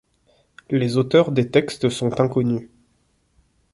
Les auteurs des textes sont inconnus.